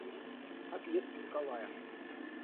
Отъезд Николая.